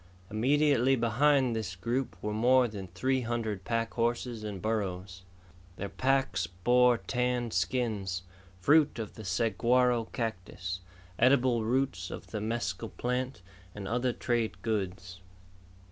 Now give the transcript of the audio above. Immediately behind this group were more than three hundred pack horses and burros. Their packs bore tanned skins, fruit of the saguaro cactus, edible roots of the mescal plant, and other trade goods.